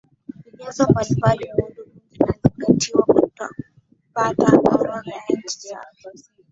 Vigezo mbalimbali muhimu vinazingatiwa kupata orodha ya nchi safi